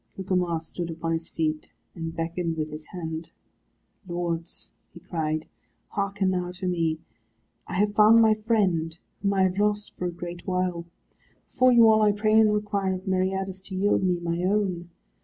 Gugemar stood upon his feet, and beckoned with his hand. "Lords," he cried, "hearken now to me. I have found my friend, whom I have lost for a great while. Before you all I pray and require of Meriadus to yield me my own.